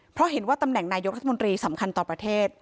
เพราะเห็นว่าตำแหน่งนายกรัฐมนตรีสำคัญต่อประเทศ